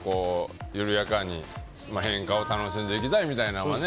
体形も緩やかに変化を楽しんでいきたいみたいなね。